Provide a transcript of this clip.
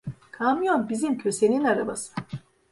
Kamyon bizim Köse'nin arabası…